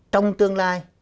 trong tương lai